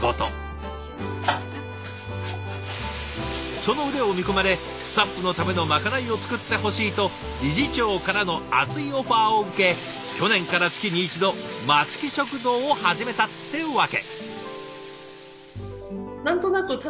その腕を見込まれスタッフのためのまかないを作ってほしいと理事長からの熱いオファーを受け去年から月に１度松木食堂を始めたってわけ！